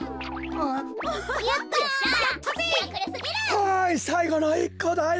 はいさいごの１こだよ。